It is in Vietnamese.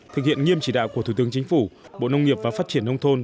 thực hiện nghiêm chỉ đạo của thủ tướng chính phủ bộ nông nghiệp và phát triển nông thôn